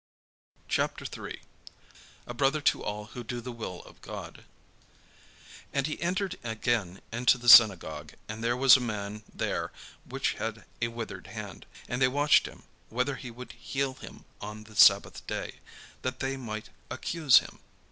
CHAPTER III A BROTHER TO ALL WHO DO THE WILL OF GOD And he entered again into the synagogue; and there was a man there which had a withered hand. And they watched him, whether he would heal him on the sabbath day; that they might accuse him.